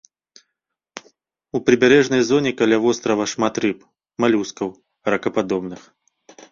У прыбярэжнай зоне каля вострава шмат рыб, малюскаў, ракападобных.